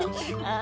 あ